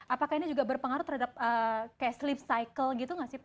apakah ini juga berpengaruh terhadap kayak sleep cycle gitu gak sih pak